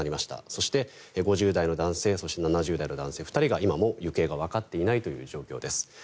そして、５０代の男性そして、７０代の男性の２人が今も行方がわかっていないという状況です。